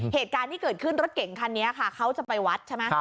เหตุการณ์ที่เกิดขึ้นรถเก่งคันนี้ค่ะเขาจะไปวัดใช่ไหม